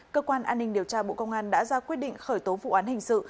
cơ quan an ninh điều tra bộ công an đã ra quyết định khởi tố vụ án hình sự